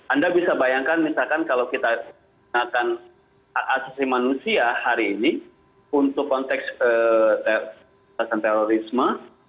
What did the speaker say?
anda bisa bayangkan misalkan kalau kita menggunakan hak asasi manusia hari ini untuk konteks terorisme